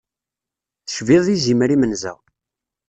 Tecbiḍ izimer imenza.